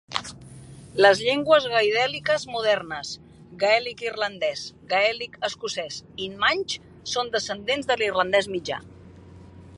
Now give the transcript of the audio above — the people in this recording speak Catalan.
Les llengües goidèliques modernes: gaèlic irlandès, gaèlic escocès, i manx són descendents de l'irlandès mitjà.